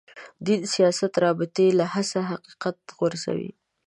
دین سیاست رابطې هڅه حقیقت غورځوي.